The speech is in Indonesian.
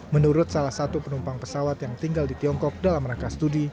menurut salah satu penumpang pesawat yang tinggal di tiongkok dalam rangka studi